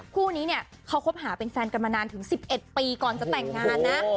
คู่นี้เนี่ยเขาคบหาเป็นแฟนกันมานานถึง๑๑ปีก่อนจะแต่งงานนะ